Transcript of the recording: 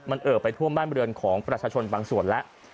มันเอ่อไปท่วมบ้านบริเวณของประชาชนบางส่วนแล้ว